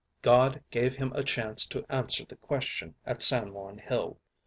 God gave him a chance to answer the question at San Juan Hill.